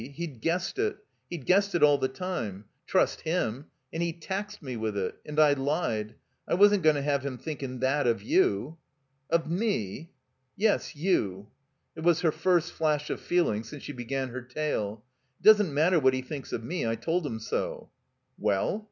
He'd guessed it. He'd guessed it all the time. Trust him. And he taxed me with it. And I Ued. I wasn't goin' to have him thinkin' thai of you." "Of mer "Yes — you. It was her first flash of feeling since she began her tale. "It doesn't matter what he thinks of me. I told him so." "Well?